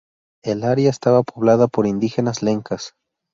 El área estaba poblada por indígenas lencas.